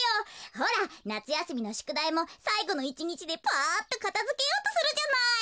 ほらなつやすみのしゅくだいもさいごの１にちでパっとかたづけようとするじゃない！